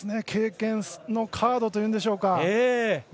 経験のカードというんでしょうか。